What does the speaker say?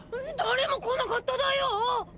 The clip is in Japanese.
だれも来なかっただよ。